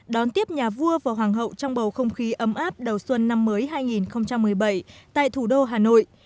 đón tiếp nhà vua và hoàng hậu trong bầu không khí ấm áp đầu xuân năm mới hai nghìn một mươi bảy tại thủ đô hà nội